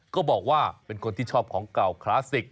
ก็บอกว่าเป็นคนที่ชอบของเก่าคลาสสิก